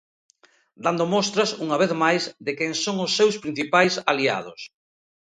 Dando mostras, unha vez máis, de quen son os seus principais aliados.